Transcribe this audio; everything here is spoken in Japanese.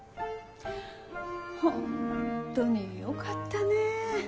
本当によかったねえ。